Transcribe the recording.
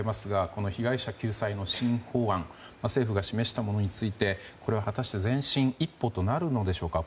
この被害者救済の新法案政府が示したものについて果たして前進一歩となるのでしょうか。